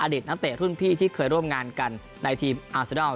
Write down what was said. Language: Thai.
นักเตะรุ่นพี่ที่เคยร่วมงานกันในทีมอาเซนอล